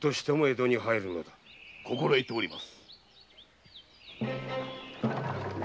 心得ております。